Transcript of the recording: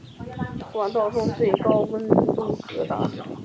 管道中最高温度可达。